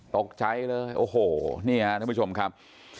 ตกใจเลยนี่นี่ท่านผู้ชมครับ